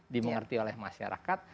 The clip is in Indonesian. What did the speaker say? dimengerti oleh masyarakat